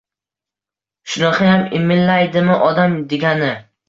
Shunaqayam imilliydimi odam digani?